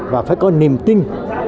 và phải có niềm tin